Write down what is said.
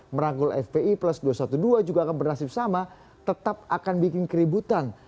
merangkul fpi plus dua ratus dua belas juga akan bernasib sama tetap akan bikin keributan